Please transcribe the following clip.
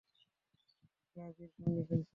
ফ্লাফির সঙ্গে খেলছিল।